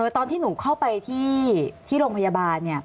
ตอนที่หนูเข้าไปที่โรงพยาบาล